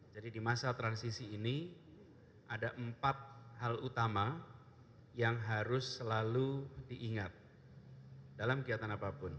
jadi di masa transisi ini ada empat hal utama yang harus selalu diingat dalam kegiatan apapun